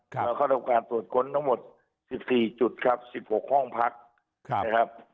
เราเข้ารับการตรวจค้นทั้งหมด๑๔จุดครับ๑๖ห้องพักนะครับ